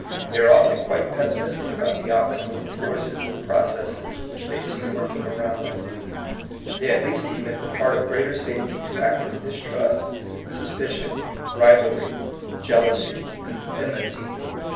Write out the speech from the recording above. They are often quite pessimistic about the outcome of the forces and processes which they see working around them. They at least deem it the part of greater safety to act with distrust, suspicion, rivalry, jeal ousy, and enmity.